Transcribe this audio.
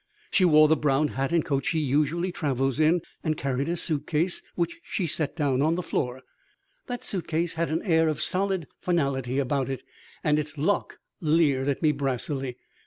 She wore the brown hat and coat she usually travels in and carried a suitcase which she set down on the floor. That suitcase had an air of solid finality about it, and its lock leered at me brassily.